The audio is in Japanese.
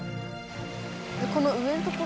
この上のところ？